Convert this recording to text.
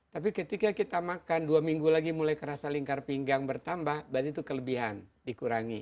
tapi ketika kita makan dua minggu lagi mulai kerasa lingkar pinggang bertambah berarti itu kelebihan dikurangi